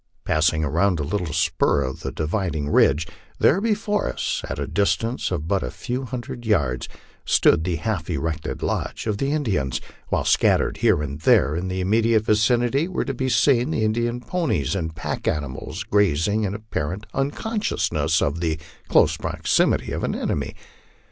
Passing around a little spur of the dividing ridge, there before us, at a distance of but a few hundred yards, stood the half erected lodges of the Indians, while scattered here and there in the immediate vicinity were to be seen the Indian ponies and pack animals, grazing in apparent unconsciousness of the close proximity of an enemy.